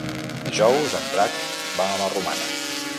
Dijous en Drac va a la Romana.